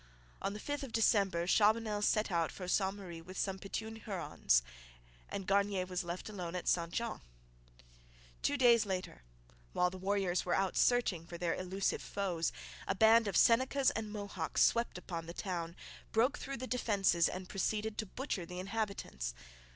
On the 5th of December Chabanel set out for Ste Marie with some Petun Hurons, and Garnier was left alone at St Jean. Two days later, while the warriors were out searching for their elusive foes, a band of Senecas and Mohawks swept upon the town, broke through the defences, and proceeded to butcher the inhabitants.